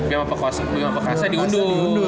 ya biar gak perasa diunduh